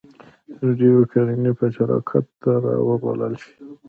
انډريو کارنګي به شراکت ته را وبللای شې؟